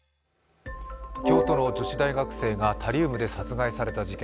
京都の女子大学生がタリウムで殺害された事件。